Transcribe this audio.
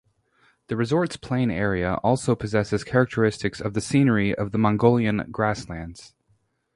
The resort's plain area also possesses characteristics of the scenery of the Mongolian grasslands.